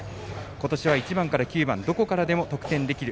今年は１番から９番どこからでも得点できる。